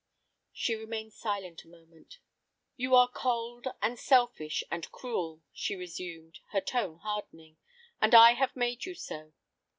She remained silent a moment. "You are cold, and selfish and cruel," she resumed, her tone hardening, "and I have made you so.